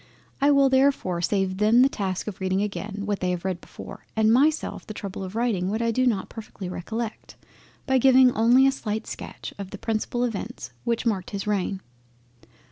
It will therefore be saving them the task of reading again what they have read before, and myself the trouble of writing what I do not perfectly recollect, by giving only a slight sketch of the principal Events which marked his reign.